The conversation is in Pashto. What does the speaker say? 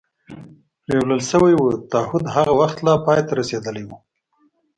پرېولل شوي و، تعهد هغه وخت لا پای ته رسېدلی و.